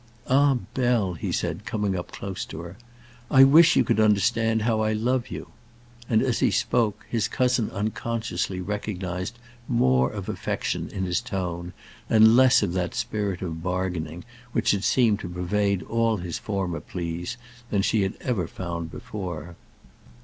"Ah, Bell," he said, coming close up to her, "I wish you could understand how I love you." And, as he spoke, his cousin unconsciously recognized more of affection in his tone, and less of that spirit of bargaining which had seemed to pervade all his former pleas, than she had ever found before.